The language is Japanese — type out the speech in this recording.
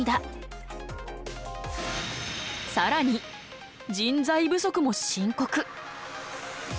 さらに人材不足も深刻。